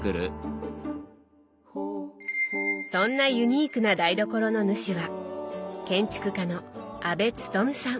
そんなユニークな台所の主は建築家の阿部勤さん。